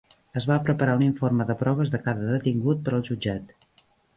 Es va preparar un informe de proves de cada detingut per al jutjat.